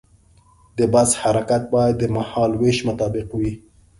د بس حرکت باید د مهال ویش مطابق وي.